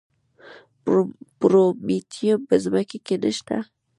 د پرومیټیم په ځمکه کې نه شته.